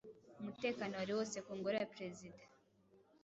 Umutekano wari wose ku ngoro ya Perezida